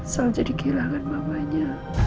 salah jadi kehilangan mamanya